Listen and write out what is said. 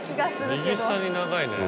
右下に長いね。